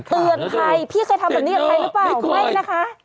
เตือนภัยพี่เคยทำแบบนี้กับใครหรือเปล่าไม่นะคะ